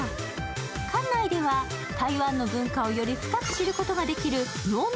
館内では台湾の文化をより深く知ることができる脳内